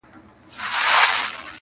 چي هم ما هم مي ټبر ته یې منلی.!